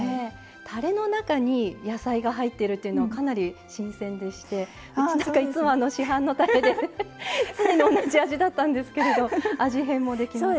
たれの中に野菜が入ってるっていうのかなり新鮮でしてうちなんかいつも市販のたれで常に同じ味だったんですけれど味変もできますし。